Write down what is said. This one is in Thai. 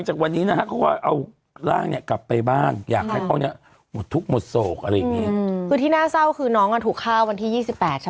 ไม่ไม่ไม่ไม่ได้เท่เลยนะคะเปียกมาคือเปียกมาเลยแหละค่ะเรามาจับดนท่ามา